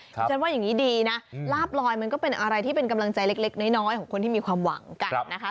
ฉันว่าอย่างนี้ดีนะลาบลอยมันก็เป็นอะไรที่เป็นกำลังใจเล็กน้อยของคนที่มีความหวังกันนะคะ